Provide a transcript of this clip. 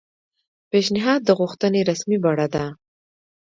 پیشنھاد د غوښتنې رسمي بڼه ده